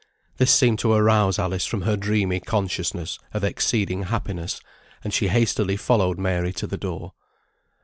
This seemed to arouse Alice from her dreamy consciousness of exceeding happiness, and she hastily followed Mary to the door.